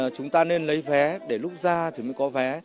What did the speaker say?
chúng ta nên lấy vé để lúc ra thì mới có vé